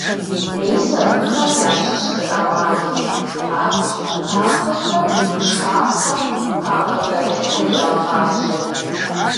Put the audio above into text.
Мис абыхэм ящыщ зы Ӏэмал: Абдж къутахуэхэр пшахъуэм хагъэзэрыхьри ягъажьэ.